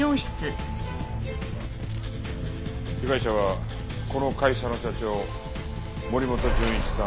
被害者はこの会社の社長森本純一さん